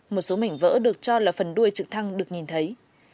một số mảnh vỡ được cho là phần đuôi trực thăng được nhìn thấy